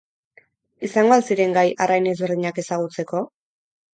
Izango al ziren gai arrain ezberdinak ezagutzeko?